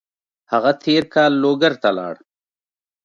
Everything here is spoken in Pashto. هغه تېر کال لوګر ته لاړ.